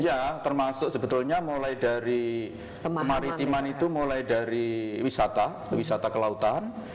iya termasuk sebetulnya mulai dari kemaritiman itu mulai dari wisata wisata kelautan